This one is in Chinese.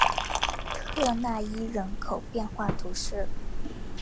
特讷伊人口变化图示